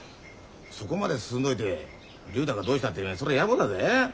そこまで進んどいて竜太がどうしたってそりゃやぼだぜ？